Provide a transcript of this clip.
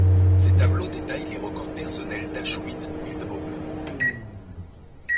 Ces tableaux détaillent les records personnels d'Aschwin Wildeboer.